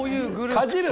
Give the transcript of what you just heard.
かじる。